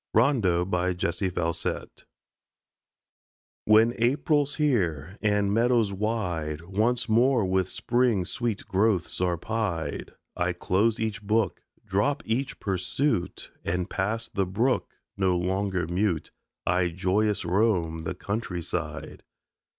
RONDEAU JESSIE FAUSET When April's here and meadows wide Once more with spring's sweet growths are pied, I close each book, drop each pursuit, And past the brook, no longer mute, I joyous roam the countryside.